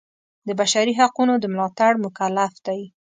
د بشري حقونو د ملاتړ مکلف دی.